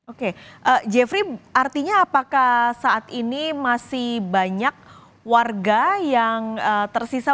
oke jeffrey artinya apakah saat ini masih banyak warga yang tersisa